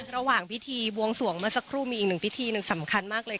ระหว่างพิธีบวงสวงเมื่อสักครู่มีอีกหนึ่งพิธีหนึ่งสำคัญมากเลย